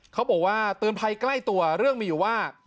เขาบอกว่าเตือนภัยใกล้ตัวเรื่องมีอยู่ว่า